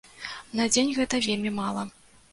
На дзень гэта вельмі мала.